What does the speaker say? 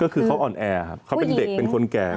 ก็คือเขาอ่อนแอครับเขาเป็นเด็กเป็นคนแก่